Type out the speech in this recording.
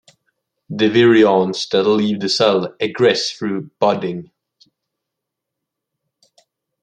The virions that leave the cell egress through budding.